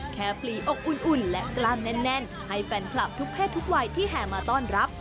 พลีอกอุ่นและกล้ามแน่นให้แฟนคลับทุกเพศทุกวัยที่แห่มาต้อนรับ